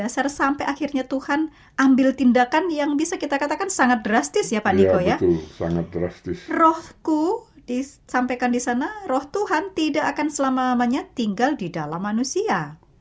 sampaikan di sana roh tuhan tidak akan selamanya tinggal di dalam manusia